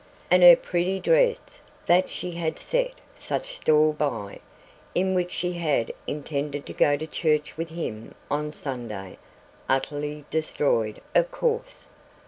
And her pretty dress, that she had set such store by, in which she had intended to go to church with him on Sunday utterly destroyed, of course!